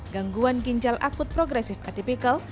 gangguan ginjal akut progresif atipikal